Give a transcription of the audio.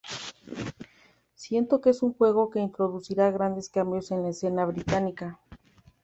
Siento que es un juego que introducirá grandes cambios en la escena británica.